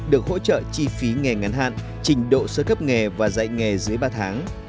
được hỗ trợ chi phí nghề ngắn hạn trình độ sơ cấp nghề và dạy nghề dưới ba tháng